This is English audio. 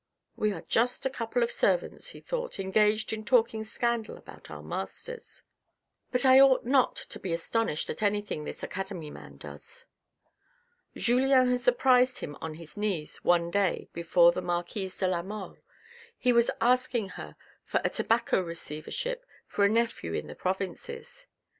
We are just a couple of servants," he thought, " engaged in talking scandal about our masters. But I ought not to be astonished at anything this academy man does." Julien had surprised him on his knees one day before the marquise de la Mole ; he was asking her for a tobacco receiver ship for a nephew in the provinces.